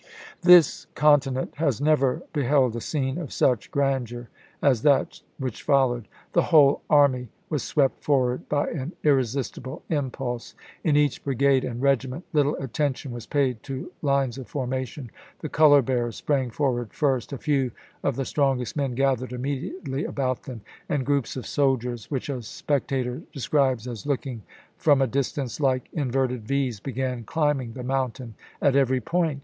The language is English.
This continent has never beheld a scene of such grandeur as that which followed. The whole army was swept forward by an irresistible impulse. In each brigade and regiment little attention was paid to lines of formation. The color bearers sprang forward first, a few of the strongest men gathered immediately about them, and groups of soldiers, which a spectator describes as looking from a distance like inverted " V's," began climbing the mountain at every point.